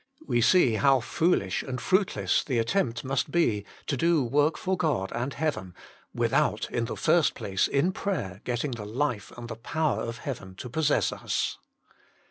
We see how foolish and fruitless the attempt must be to do work for God and heaven, without in the first place in prayer getting the life and the power of heaven to possess us.